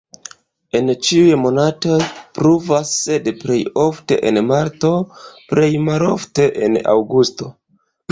En ĉiuj monatoj pluvas, sed plej ofte en marto, plej malofte en aŭgusto.